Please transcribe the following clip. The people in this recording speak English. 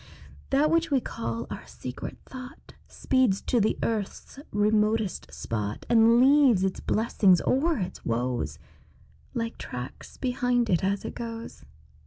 That which we call our secret thought Speeds to the earth's remotest spot, And leaves its blessings or its woes Like tracks behind it as it goes.